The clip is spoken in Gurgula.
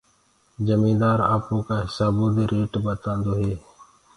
جميندآر آپوڪآ هسآبو دي ريٽ ٻتآندو هي